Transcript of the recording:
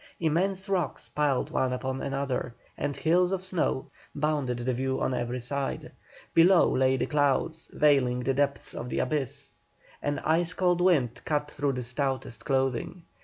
Immense rocks piled one upon another, and hills of snow, bounded the view on every side; below lay the clouds, veiling the depths of the abyss; an ice cold wind cut through the stoutest clothing.